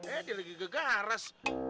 eh dia lagi ke garas